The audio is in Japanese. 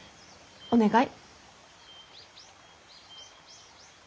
お願い。